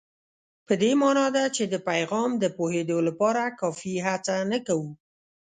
په دې مانا ده چې په پیغام د پوهېدو لپاره کافي هڅه نه کوو.